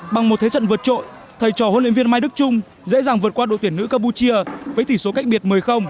bằng một thế trận vượt trội thầy trò huấn luyện viên mai đức trung dễ dàng vượt qua đội tuyển nữ campuchia với tỷ số cách biệt một mươi